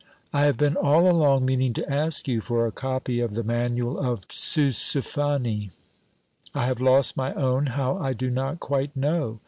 I have been all along meaning to ask you for a copy of the " Manual of Pseusophane." I have lost my own, how I do not quite know.